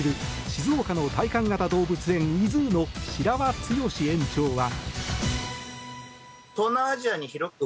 静岡の体感型動物園ｉＺｏｏの白輪剛史園長は。